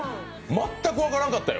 全く分からんかったよ。